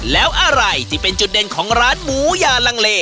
แล้วอะไรที่เป็นจุดเด่นของร้านหมูยาลังเล